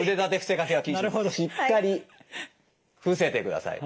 しっかり伏せてください。